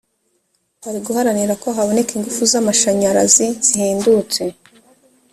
barig uharanira ko haboneka ingufu z amashanyarazi zihendutse .